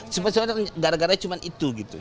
sebenarnya gara garanya cuma itu gitu